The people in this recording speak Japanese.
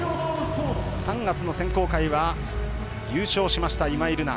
３月の選考会は優勝しました今井月。